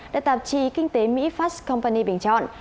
đã tạp trì kinh tế mỹ fast company bình chọn